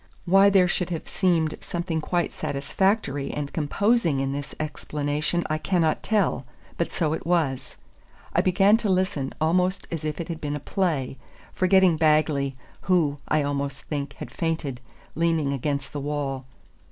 Why there should have seemed something quite satisfactory and composing in this explanation I cannot tell, but so it was. I began to listen almost as if it had been a play, forgetting Bagley, who, I almost think, had fainted, leaning against the wall.